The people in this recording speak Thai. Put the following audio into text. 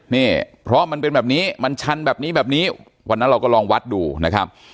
นี่เพราะมันเป็นแบบนี้มันชันแบบนี้แบบนี้วันนั้นเราก็ลองวัดดูนะครับ